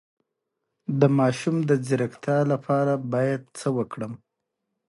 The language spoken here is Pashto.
د ماشوم د ځیرکتیا لپاره باید څه وکړم؟